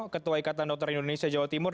ketua ikatan dokter indonesia jawa timur